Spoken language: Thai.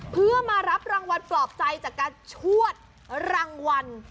เพื่อมารับรางวัลปลอบใจจากการชวดรางวัล